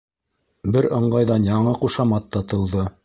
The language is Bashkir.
Бер ыңғайҙан яңы ҡушамат та тыуҙы.